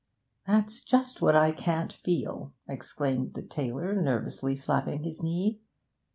'That's just what I can't feel,' exclaimed the tailor, nervously slapping his knee.